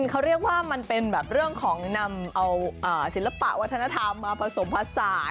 เขาเรียกว่ามันเป็นแบบเรื่องของนำเอาศิลปะวัฒนธรรมมาผสมผสาน